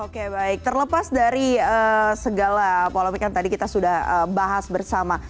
oke baik terlepas dari segala polemik yang tadi kita sudah bahas bersama